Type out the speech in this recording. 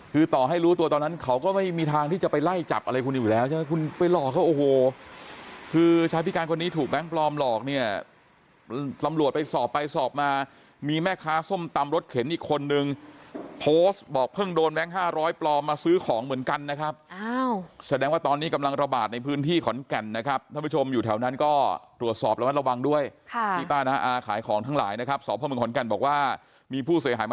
คือต่อให้รู้ตัวตอนนั้นเขาก็ไม่มีทางที่จะไปไล่จับอะไรคุณอยู่แล้วใช่ไหม